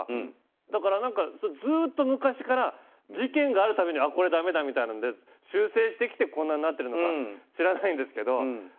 だから、ずっと昔から事件がある度にこれだめだみたいなので修正してきてこんなになってるのか知らないんですけど。